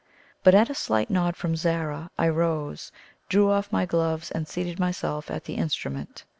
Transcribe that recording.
But at a slight nod from Zara, I rose, drew off my gloves, and seated myself at the instrument.